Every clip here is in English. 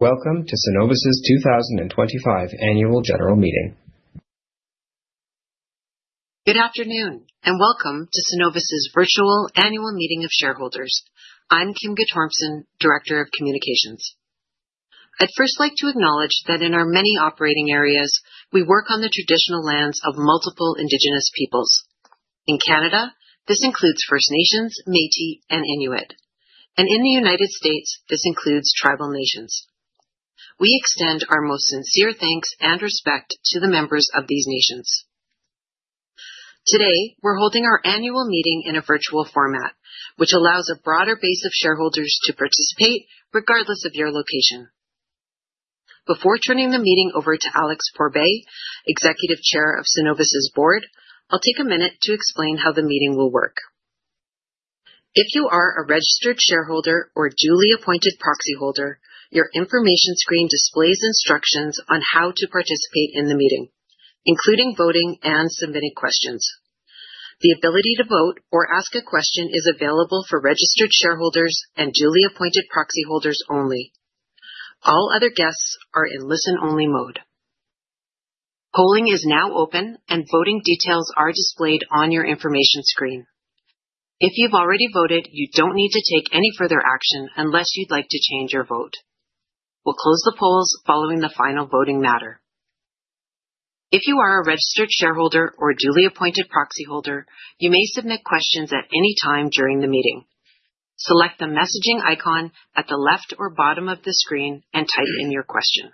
Welcome to Cenovus's 2025 Annual General Meeting. Good afternoon, and welcome to Cenovus's virtual annual meeting of shareholders. I'm Kim Guttormson, Director of Communications. I'd first like to acknowledge that in our many operating areas, we work on the traditional lands of multiple Indigenous peoples. In Canada, this includes First Nations, Métis, and Inuit, and in the United States, this includes Tribal Nations. We extend our most sincere thanks and respect to the members of these nations. Today, we're holding our annual meeting in a virtual format, which allows a broader base of shareholders to participate regardless of your location. Before turning the meeting over to Alex Pourbaix, Executive Chair of Cenovus's Board, I'll take a minute to explain how the meeting will work. If you are a registered shareholder or duly appointed proxy holder, your information screen displays instructions on how to participate in the meeting, including voting and submitting questions. The ability to vote or ask a question is available for registered shareholders and duly appointed proxy holders only. All other guests are in listen-only mode. Polling is now open, and voting details are displayed on your information screen. If you've already voted, you don't need to take any further action unless you'd like to change your vote. We'll close the polls following the final voting matter. If you are a registered shareholder or duly appointed proxy holder, you may submit questions at any time during the meeting. Select the messaging icon at the left or bottom of the screen and type in your question.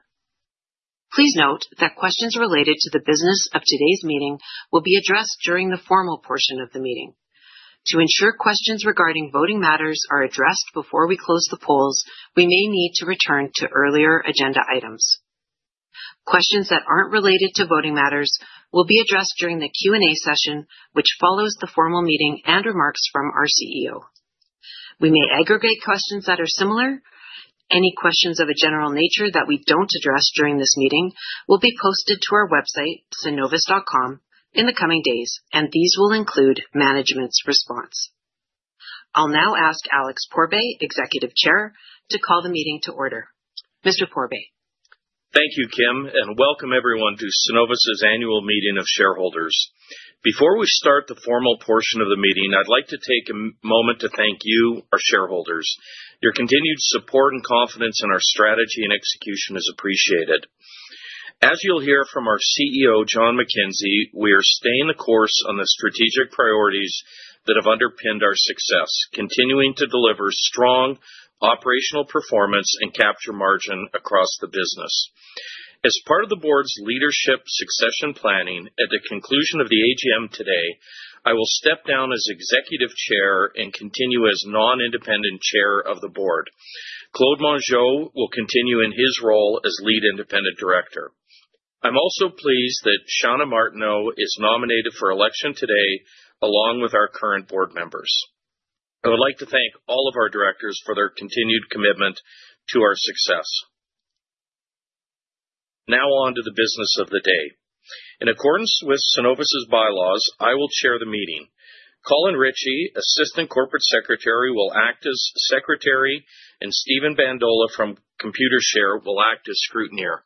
Please note that questions related to the business of today's meeting will be addressed during the formal portion of the meeting. To ensure questions regarding voting matters are addressed before we close the polls, we may need to return to earlier agenda items. Questions that aren't related to voting matters will be addressed during the Q&A session, which follows the formal meeting and remarks from our CEO. We may aggregate questions that are similar. Any questions of a general nature that we don't address during this meeting will be posted to our website, cenovus.com, in the coming days, and these will include management's response. I'll now ask Alex Pourbaix, Executive Chair, to call the meeting to order. Mr. Pourbaix. Thank you, Kim, and welcome everyone to Cenovus's annual meeting of shareholders. Before we start the formal portion of the meeting, I'd like to take a moment to thank you, our shareholders. Your continued support and confidence in our strategy and execution is appreciated. As you'll hear from our CEO, Jon McKenzie, we are staying the course on the strategic priorities that have underpinned our success, continuing to deliver strong operational performance and capture margin across the business. As part of the Board's leadership succession planning, at the conclusion of the AGM today, I will step down as Executive Chair and continue as non-independent Chair of the Board. Claude Mongeot will continue in his role as lead independent director. I'm also pleased that Shana Martineau is nominated for election today, along with our current Board members. I would like to thank all of our directors for their continued commitment to our success. Now on to the business of the day. In accordance with Cenovus's bylaws, I will chair the meeting. Colin Ritchie, Assistant Corporate Secretary, will act as Secretary, and Steven Bandola from Computershare will act as Scrutineer.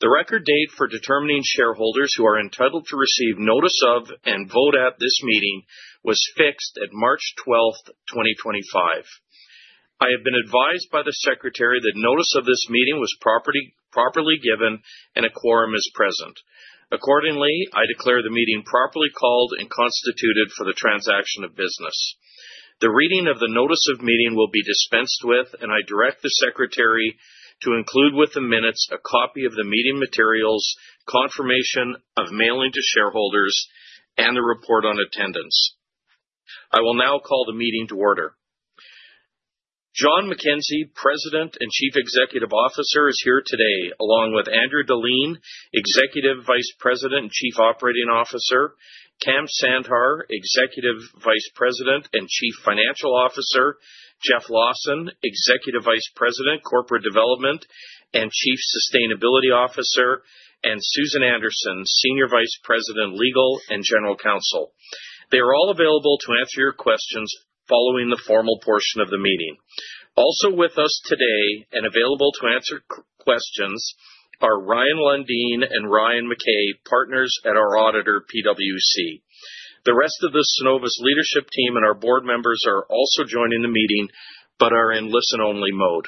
The record date for determining shareholders who are entitled to receive notice of and vote at this meeting was fixed at March 12, 2025. I have been advised by the Secretary that notice of this meeting was properly given and a quorum is present. Accordingly, I declare the meeting properly called and constituted for the transaction of business. The reading of the notice of meeting will be dispensed with, and I direct the Secretary to include with the minutes a copy of the meeting materials, confirmation of mailing to shareholders, and the report on attendance. I will now call the meeting to order. Jon McKenzie, President and Chief Executive Officer, is here today, along with Andrew Deline, Executive Vice President and Chief Operating Officer, Kam Sandhar, Executive Vice President and Chief Financial Officer, Jeff Lawson, Executive Vice President, Corporate Development and Chief Sustainability Officer, and Susan Anderson, Senior Vice President, Legal and General Counsel. They are all available to answer your questions following the formal portion of the meeting. Also with us today and available to answer questions are Ryan Lundine and Ryan McKay, Partners at our auditor, PwC. The rest of the Cenovus leadership team and our Board members are also joining the meeting but are in listen-only mode.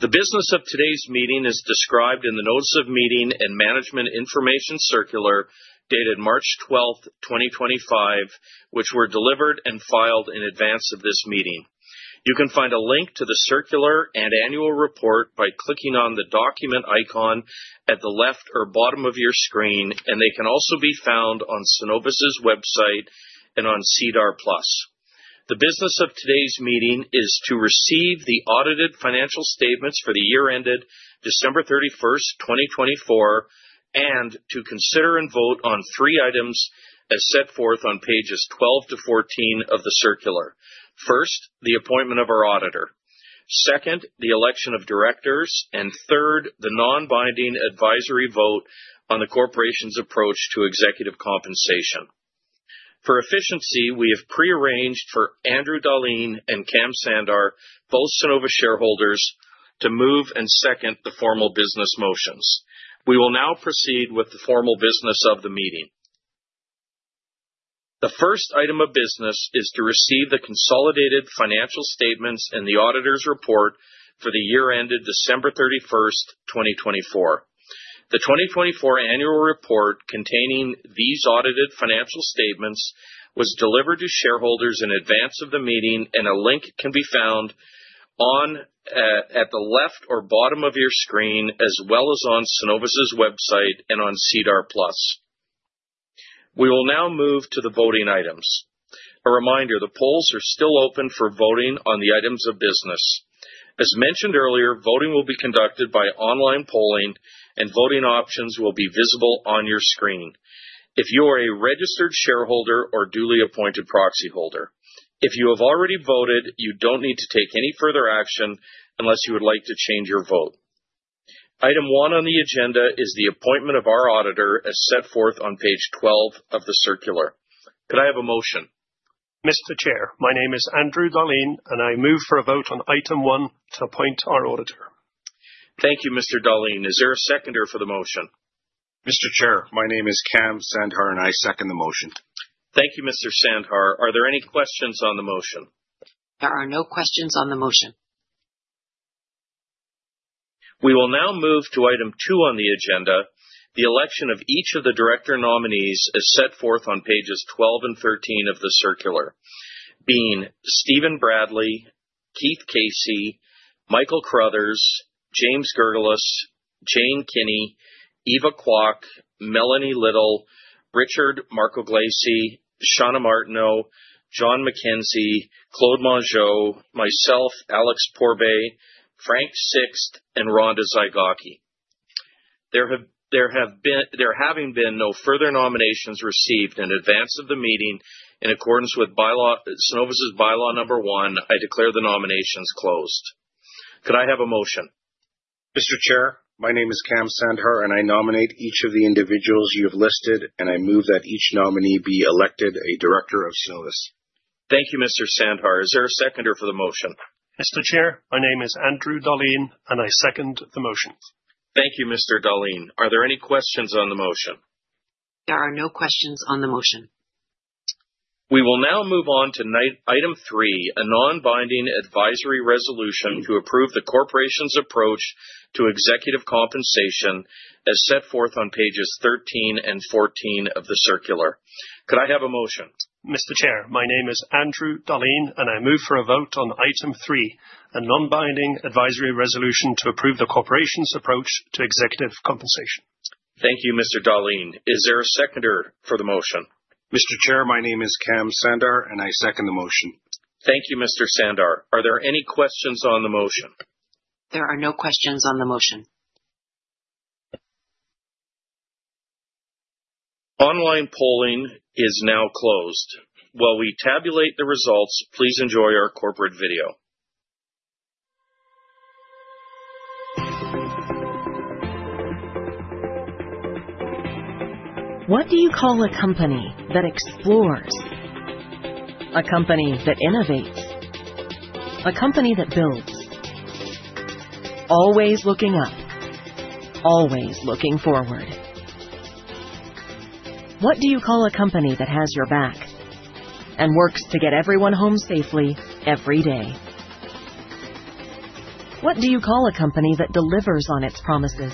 The business of today's meeting is described in the notice of meeting and management information circular dated March 12, 2025, which were delivered and filed in advance of this meeting. You can find a link to the circular and annual report by clicking on the document icon at the left or bottom of your screen, and they can also be found on Cenovus's website and on SEDAR+. The business of today's meeting is to receive the audited financial statements for the year ended December 31, 2024, and to consider and vote on three items as set forth on pages 12 to 14 of the circular. First, the appointment of our Auditor. Second, the election of directors. Third, the non-binding advisory vote on the Corporation's approach to executive compensation. For efficiency, we have prearranged for Andrew Deline and Kam Sandhar, both Cenovus shareholders, to move and second the formal business motions. We will now proceed with the formal business of the meeting. The first item of business is to receive the consolidated financial statements and the auditor's report for the year ended December 31, 2024. The 2024 annual report containing these audited financial statements was delivered to shareholders in advance of the meeting, and a link can be found at the left or bottom of your screen, as well as on Cenovus's website and on SEDAR+. We will now move to the voting items. A reminder, the polls are still open for voting on the items of business. As mentioned earlier, voting will be conducted by online polling, and voting options will be visible on your screen if you are a registered shareholder or duly appointed proxy holder. If you have already voted, you don't need to take any further action unless you would like to change your vote. Item one on the agenda is the appointment of our Auditor, as set forth on page 12 of the circular. Could I have a motion? Mr. Chair, my name is Andrew Deline, and I move for a vote on item one to appoint our Auditor. Thank you, Mr. Deline. Is there a seconder for the motion? Mr. Chair, my name is Kam Sandhar, and I second the motion. Thank you, Mr. Sandhar. Are there any questions on the motion? There are no questions on the motion. We will now move to item two on the agenda, the election of each of the director nominees, as set forth on pages 12 and 13 of the circular, being Steven Bradley, Keith Casey, Michael Crothers, James Gurglas, Jane Kinney, Eva Kwok, Melanie Little, Richard Marco Glace, Shana Martineau, Jon McKenzie, Claude Mongeot, myself, Alex Pourbaix, Frank Sixt, and Ronda Zaygaki. There have been no further nominations received in advance of the meeting. In accordance with Cenovus's bylaw number one, I declare the nominations closed. Could I have a motion? Mr. Chair, my name is Kam Sandhar, and I nominate each of the individuals you have listed, and I move that each nominee be elected a director of Cenovus. Thank you, Mr. Sandhar. Is there a seconder for the motion? Mr. Chair, my name is Andrew Deline, and I second the motion. Thank you, Mr. Deline. Are there any questions on the motion? There are no questions on the motion. We will now move on to item three, a non-binding advisory resolution to approve the Corporation's approach to executive compensation, as set forth on pages 13 and 14 of the circular. Could I have a motion? Mr. Chair, my name is Andrew Deline, and I move for a vote on item three, a non-binding advisory resolution to approve the Corporation's approach to executive compensation. Thank you, Mr. Deline. Is there a seconder for the motion? Mr. Chair, my name is Kam Sandhar, and I second the motion. Thank you, Mr. Sandhar. Are there any questions on the motion? There are no questions on the motion. Online polling is now closed. While we tabulate the results, please enjoy our corporate video. What do you call a company that explores? A company that innovates? A company that builds? Always looking up? Always looking forward? What do you call a company that has your back and works to get everyone home safely every day? What do you call a company that delivers on its promises?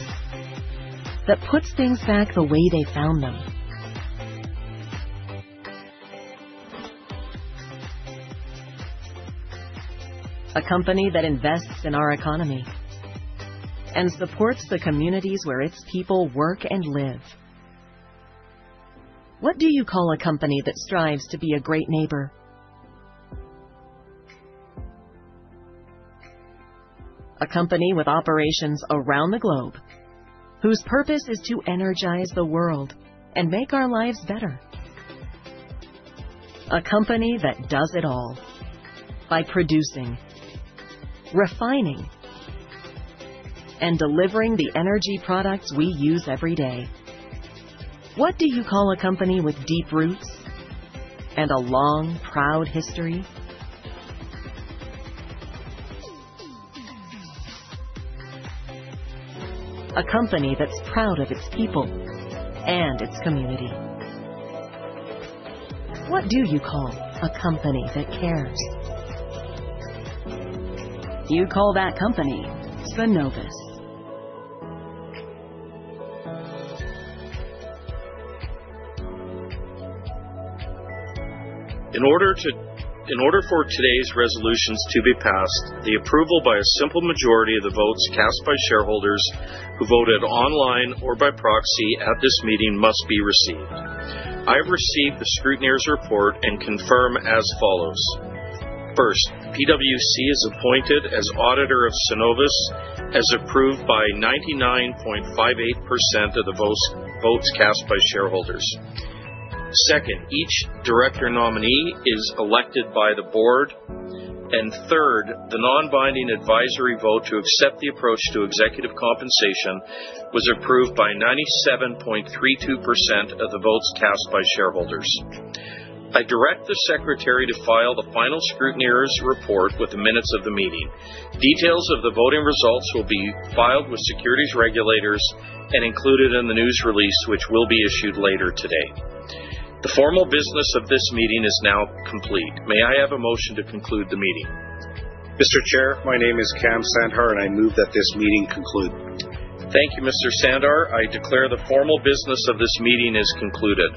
That puts things back the way they found them? A company that invests in our economy and supports the communities where its people work and live? What do you call a company that strives to be a great neighbor? A company with operations around the globe whose purpose is to energize the world and make our lives better? A company that does it all by producing, refining, and delivering the energy products we use every day? What do you call a company with deep roots and a long, proud history? A company that's proud of its people and its community? What do you call a company that cares? You call that company Cenovus. In order for today's resolutions to be passed, the approval by a simple majority of the votes cast by shareholders who voted online or by proxy at this meeting must be received. I have received the Scrutineer's report and confirm as follows. First, PwC is appointed as Auditor of Cenovus as approved by 99.58% of the votes cast by shareholders. Second, each director nominee is elected by the Board. Third, the non-binding advisory vote to accept the approach to executive compensation was approved by 97.32% of the votes cast by shareholders. I direct the Secretary to file the final Scrutineer's report with the minutes of the meeting. Details of the voting results will be filed with Securities Regulators and included in the news release, which will be issued later today. The formal business of this meeting is now complete. May I have a motion to conclude the meeting? Mr. Chair, my name is Kam Sandhar, and I move that this meeting conclude. Thank you, Mr. Sandhar. I declare the formal business of this meeting is concluded.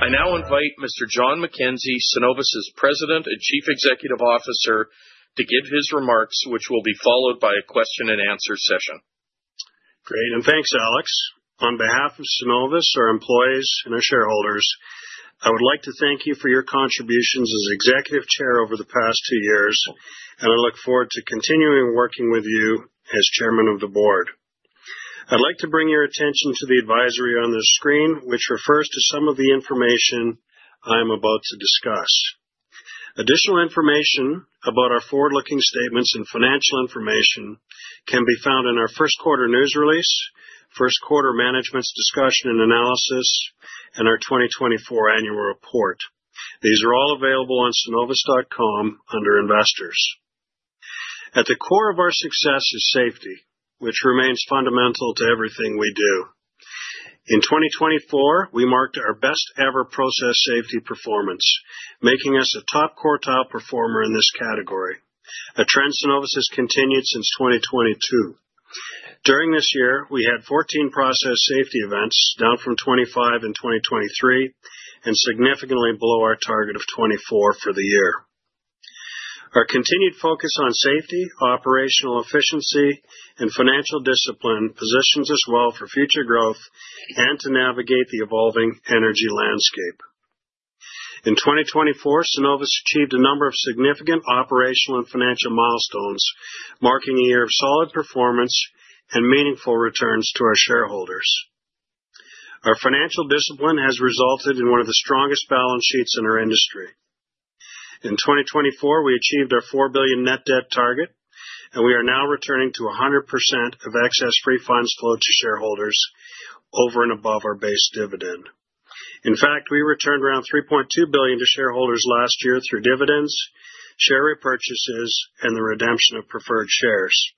I now invite Mr. Jon McKenzie, Cenovus' President and Chief Executive Officer, to give his remarks, which will be followed by a question-and-answer session. Great, and thanks, Alex. On behalf of Cenovus, our employees, and our shareholders, I would like to thank you for your contributions as Executive Chair over the past two years, and I look forward to continuing working with you as Chairman of the Board. I'd like to bring your attention to the advisory on this screen, which refers to some of the information I'm about to discuss. Additional information about our forward-looking statements and financial information can be found in our first quarter news release, first quarter management's discussion and analysis, and our 2024 annual report. These are all available on cenovus.com under Investors. At the core of our success is safety, which remains fundamental to everything we do. In 2024, we marked our best-ever process safety performance, making us a top quartile performer in this category. A trend Cenovus has continued since 2022. During this year, we had 14 process safety events, down from 25 in 2023, and significantly below our target of 24 for the year. Our continued focus on safety, operational efficiency, and financial discipline positions us well for future growth and to navigate the evolving energy landscape. In 2024, Cenovus achieved a number of significant operational and financial milestones, marking a year of solid performance and meaningful returns to our shareholders. Our financial discipline has resulted in one of the strongest balance sheets in our industry. In 2024, we achieved our $4 billion net debt target, and we are now returning to 100% of excess free funds flowed to shareholders over and above our base dividend. In fact, we returned around $3.2 billion to shareholders last year through dividends, share repurchases, and the redemption of preferred shares.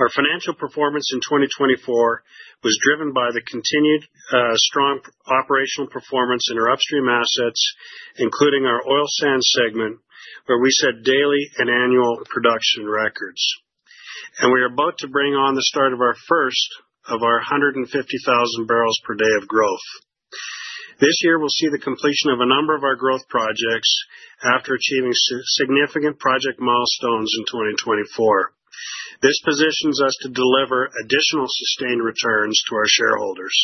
Our financial performance in 2024 was driven by the continued strong operational performance in our upstream assets, including our oil sands segment, where we set daily and annual production records. We are about to bring on the start of our first of our 150,000 bbl per day of growth. This year, we will see the completion of a number of our growth projects after achieving significant project milestones in 2024. This positions us to deliver additional sustained returns to our shareholders.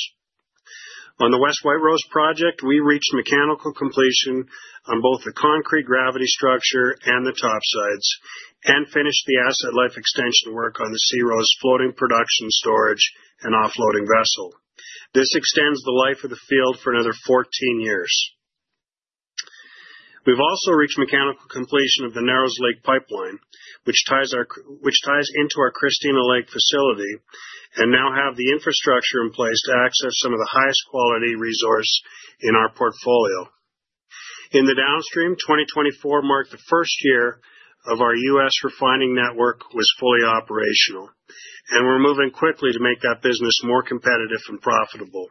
On the West White Rose project, we reached mechanical completion on both the concrete gravity structure and the topsides and finished the asset life extension work on the Sea Rose floating production storage and offloading vessel. This extends the life of the field for another 14 years. We've also reached mechanical completion of the Narrows Lake pipeline, which ties into our Christina Lake facility, and now have the infrastructure in place to access some of the highest quality resource in our portfolio. In the downstream, 2024 marked the first year our U.S. refining network was fully operational, and we're moving quickly to make that business more competitive and profitable.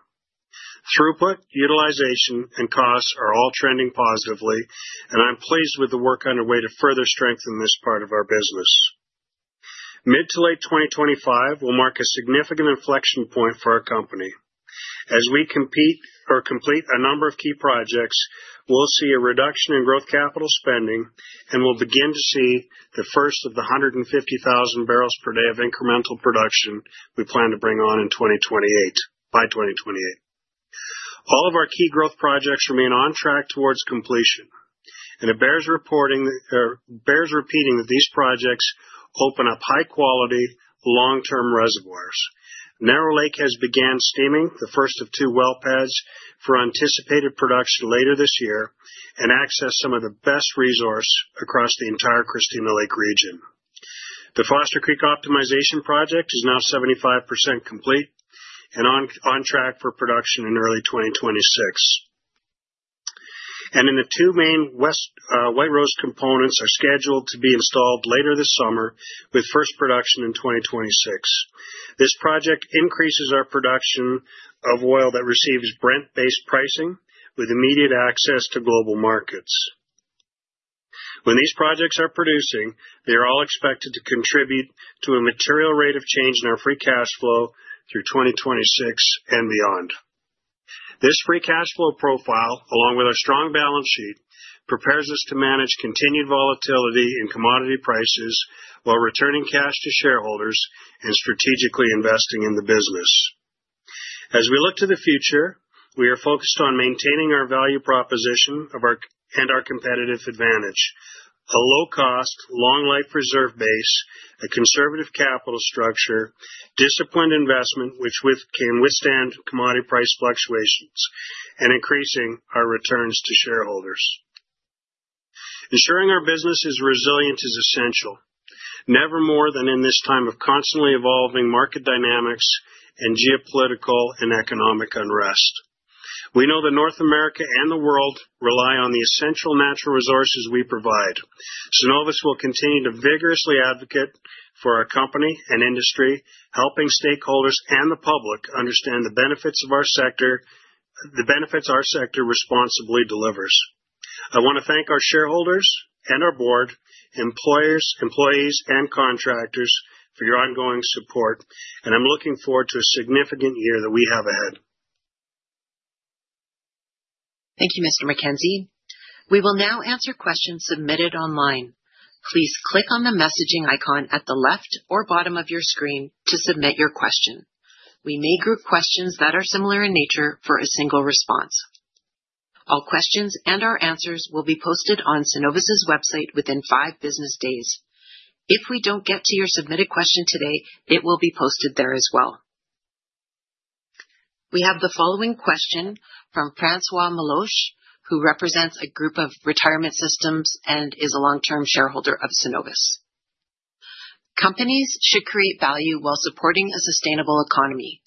Throughput, utilization, and costs are all trending positively, and I'm pleased with the work underway to further strengthen this part of our business. Mid to late 2025 will mark a significant inflection point for our company. As we complete a number of key projects, we'll see a reduction in growth capital spending, and we'll begin to see the first of the 150,000 bbl per day of incremental production we plan to bring on by 2028. All of our key growth projects remain on track towards completion. It bears repeating that these projects open up high-quality, long-term reservoirs. Narrow Lake has begun steaming the first of two well pads for anticipated production later this year and access some of the best resource across the entire Christina Lake region. The Foster Creek Optimization Project is now 75% complete and on track for production in early 2026. The two main West White Rose components are scheduled to be installed later this summer, with first production in 2026. This project increases our production of oil that receives Brent-based pricing with immediate access to global markets. When these projects are producing, they are all expected to contribute to a material rate of change in our free cash flow through 2026 and beyond. This free cash flow profile, along with our strong balance sheet, prepares us to manage continued volatility in commodity prices while returning cash to shareholders and strategically investing in the business. As we look to the future, we are focused on maintaining our value proposition and our competitive advantage: a low-cost, long-life reserve base, a conservative capital structure, disciplined investment which can withstand commodity price fluctuations, and increasing our returns to shareholders. Ensuring our business is resilient is essential, never more than in this time of constantly evolving market dynamics and geopolitical and economic unrest. We know that North America and the world rely on the essential natural resources we provide. Cenovus will continue to vigorously advocate for our company and industry, helping stakeholders and the public understand the benefits our sector responsibly delivers. I want to thank our shareholders and our board, employers, employees, and contractors for your ongoing support, and I'm looking forward to a significant year that we have ahead. Thank you, Mr. McKenzie. We will now answer questions submitted online. Please click on the messaging icon at the left or bottom of your screen to submit your question. We may group questions that are similar in nature for a single response. All questions and our answers will be posted on Cenovus's website within five business days. If we do not get to your submitted question today, it will be posted there as well. We have the following question from Francois Meloche, who represents a group of retirement systems and is a long-term shareholder of Cenovus. Companies should create value while supporting a sustainable economy.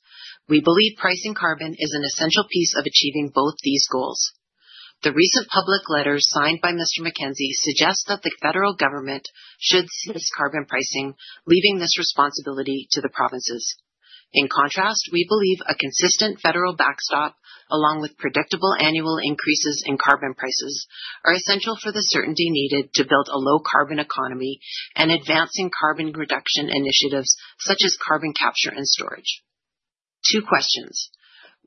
We believe pricing carbon is an essential piece of achieving both these goals. The recent public letters signed by Mr. McKenzie suggest that the federal government should cease carbon pricing, leaving this responsibility to the provinces. In contrast, we believe a consistent federal backstop, along with predictable annual increases in carbon prices, are essential for the certainty needed to build a low-carbon economy and advancing carbon reduction initiatives such as carbon capture and storage. Two questions.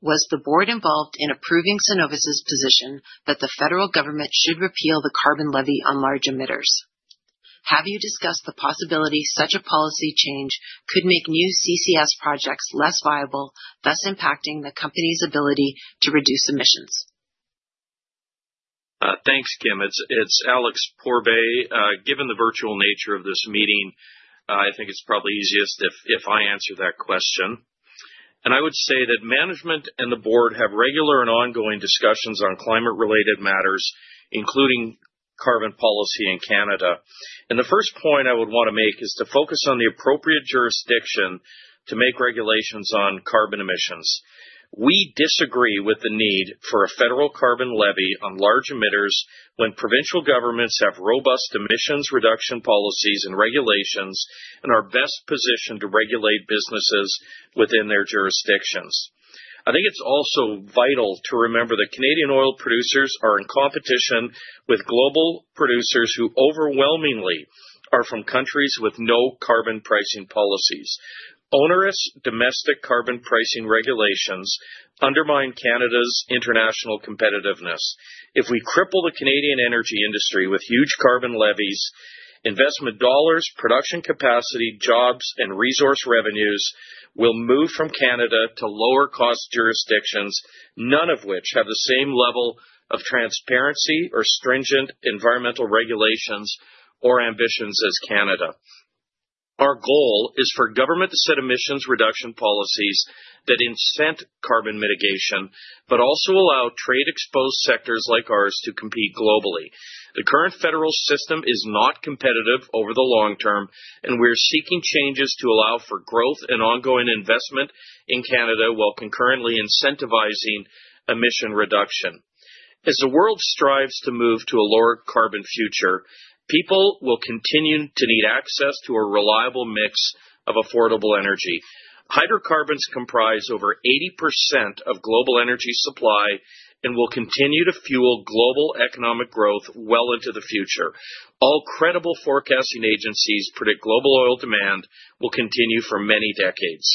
Was the board involved in approving Cenovus's position that the federal government should repeal the carbon levy on large emitters? Have you discussed the possibility such a policy change could make new CCS projects less viable, thus impacting the company's ability to reduce emissions? Thanks, Kim. It's Alex Pourbaix. Given the virtual nature of this meeting, I think it's probably easiest if I answer that question. I would say that management and the board have regular and ongoing discussions on climate-related matters, including carbon policy in Canada. The first point I would want to make is to focus on the appropriate jurisdiction to make regulations on carbon emissions. We disagree with the need for a federal carbon levy on large emitters when provincial governments have robust emissions reduction policies and regulations and are best positioned to regulate businesses within their jurisdictions. I think it's also vital to remember that Canadian oil producers are in competition with global producers who overwhelmingly are from countries with no carbon pricing policies. Onerous domestic carbon pricing regulations undermine Canada's international competitiveness. If we cripple the Canadian energy industry with huge carbon levies, investment dollars, production capacity, jobs, and resource revenues will move from Canada to lower-cost jurisdictions, none of which have the same level of transparency or stringent environmental regulations or ambitions as Canada. Our goal is for government to set emissions reduction policies that incent carbon mitigation, but also allow trade-exposed sectors like ours to compete globally. The current federal system is not competitive over the long term, and we are seeking changes to allow for growth and ongoing investment in Canada while concurrently incentivizing emission reduction. As the world strives to move to a lower-carbon future, people will continue to need access to a reliable mix of affordable energy. Hydrocarbons comprise over 80% of global energy supply and will continue to fuel global economic growth well into the future. All credible forecasting agencies predict global oil demand will continue for many decades.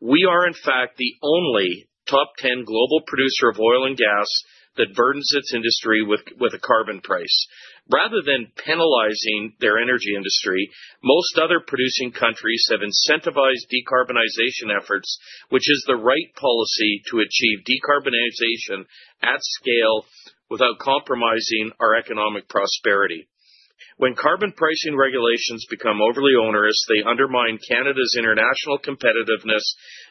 We are, in fact, the only top 10 global producer of oil and gas that burdens its industry with a carbon price. Rather than penalizing their energy industry, most other producing countries have incentivized decarbonization efforts, which is the right policy to achieve decarbonization at scale without compromising our economic prosperity. When carbon pricing regulations become overly onerous, they undermine Canada's international competitiveness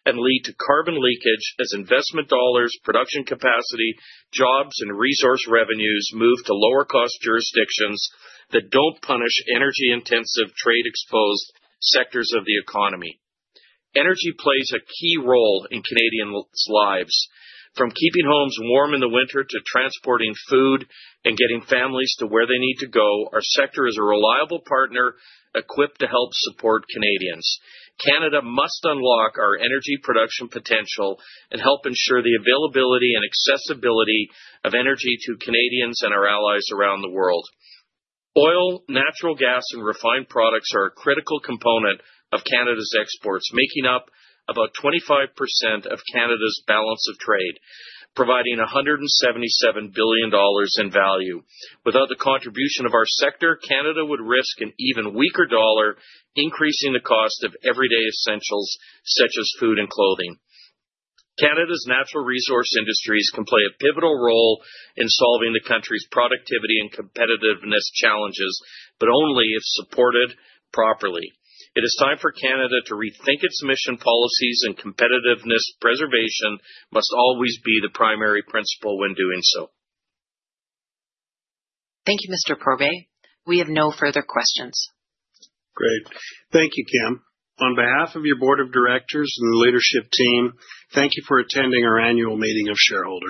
and lead to carbon leakage as investment dollars, production capacity, jobs, and resource revenues move to lower-cost jurisdictions that do not punish energy-intensive, trade-exposed sectors of the economy. Energy plays a key role in Canadians' lives. From keeping homes warm in the winter to transporting food and getting families to where they need to go, our sector is a reliable partner equipped to help support Canadians. Canada must unlock our energy production potential and help ensure the availability and accessibility of energy to Canadians and our allies around the world. Oil, natural gas, and refined products are a critical component of Canada's exports, making up about 25% of Canada's balance of trade, providing $177 billion in value. Without the contribution of our sector, Canada would risk an even weaker dollar, increasing the cost of everyday essentials such as food and clothing. Canada's natural resource industries can play a pivotal role in solving the country's productivity and competitiveness challenges, but only if supported properly. It is time for Canada to rethink its mission policies, and competitiveness preservation must always be the primary principle when doing so. Thank you, Mr. Pourbaix. We have no further questions. Great. Thank you, Kim. On behalf of your board of directors and the leadership team, thank you for attending our annual meeting of shareholders.